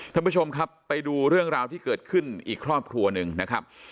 ท่านผู้ชมครับไปดูเรื่องราวที่เกิดขึ้นอีกครอบครัวหนึ่งนะครับ